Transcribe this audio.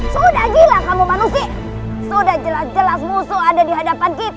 sudah gila kamu manusia sudah jelas jelas musuh ada di hadapan kita